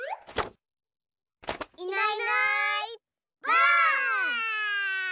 いないいないばあっ！